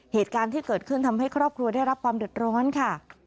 เหตุการณ์ที่เกิดขึ้นทำให้ครอบครัวได้รับความเดือดร้อนค่ะ